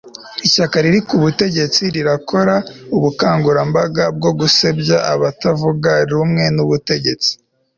ishyaka riri ku butegetsi rirakora ubukangurambaga bwo gusebya abatavuga rumwe n'ubutegetsi